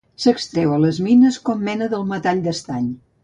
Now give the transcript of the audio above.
S'extreu a les mines com mena del metall d'estany.